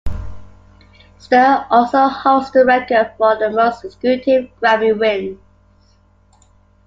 Sturr also holds the record for the most consecutive Grammy wins.